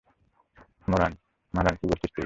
মারান, কী বলছিস তুই?